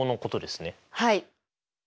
はい。